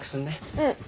うん。